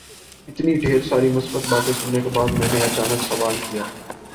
اتنی ڈھیر ساری مثبت باتیں سننے کے بعد میں نے اچانک سوال کیا